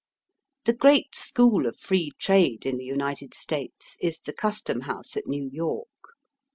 The great school of Free Trade in the United States is the Custom House at New York.